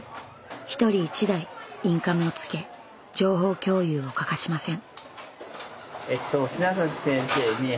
１人１台インカムをつけ情報共有を欠かしません。